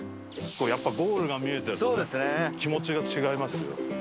やっぱりゴールが見えてるとね気持ちが違いますよ。